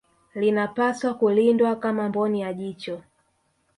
Linapaswa kulindwa kama mboni ya jicho